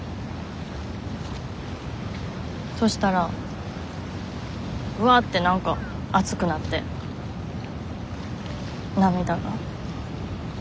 そしたらぐわって何か熱くなって涙が。